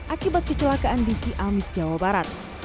akibat kecelakaan di ciamis jawa barat